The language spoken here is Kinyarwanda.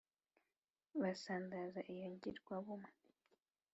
basandaza iyo ngirwa bumwe.